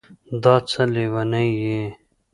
دا څه لېونی یې